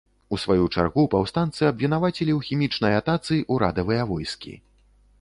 У сваю чаргу, паўстанцы абвінавацілі ў хімічнай атацы ўрадавыя войскі.